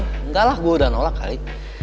enggak lah gue udah nolak kali